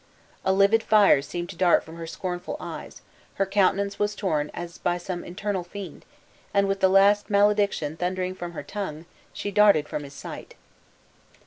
A livid fire seemed to dart from her scornful eyes, her countenance was torn as by some internal fiend, and, with the last malediction thundering from her tongue, she darted from his sight.